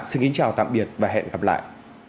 xin kính chào tạm biệt và hẹn gặp lại